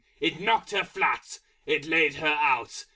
It knocked her flat! It laid her out!